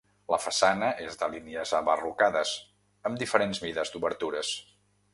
La façana és de línies abarrocades, amb diferents mides d'obertures.